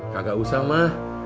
gak usah ma